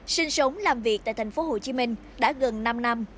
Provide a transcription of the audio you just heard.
sinh sống làm việc tại tp hcm đã gần năm năm